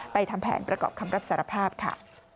ทำแผนประกอบคำรับสารภาพค่ะ